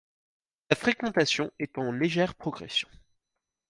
Sa fréquentation est en légère progression.